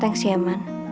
thanks ya man